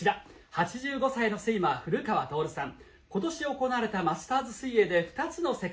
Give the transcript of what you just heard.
８５歳のスイマー古川徹さん。